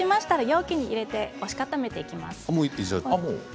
容器に入れて押し固めていきます。